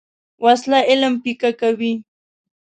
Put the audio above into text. وسله علم پیکه کوي